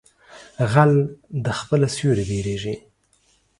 غل د خپله سوري بيرېږي.